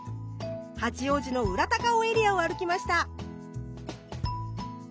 八王子の裏高尾エリアを歩きました。